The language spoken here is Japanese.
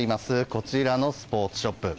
こちらのスポーツショップ。